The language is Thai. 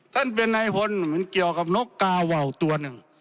กันเป็นนายพลเขียวกับนกกาว่าวตัวหนึ่ง